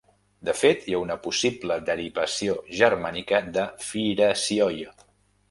De fet, hi ha una possible derivació germànica de Phirasioi.